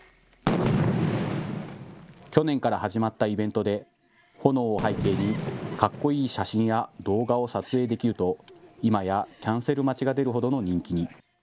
去年から始まったイベントで炎を背景にかっこいい写真や動画を撮影できると今やキャンセル待ちが出るほどの人気に。